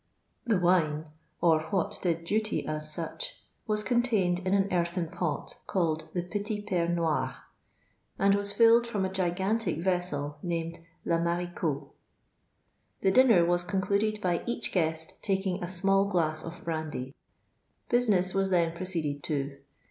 The wine, or what did duty as such, wai contained in an earthen pot called the Pdit P^t e Noi'r, and was filled from a gigantic vessel named Lc Mottcaud. The dinner was concluded by each guest taking a small glass of brandy. Businoss was then procet'dcd to.